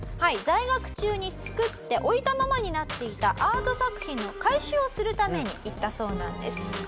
在学中に作って置いたままになっていたアート作品の回収をするために行ったそうなんです。